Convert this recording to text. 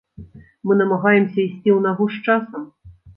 Мы намагаемся ісці ў нагу з часам.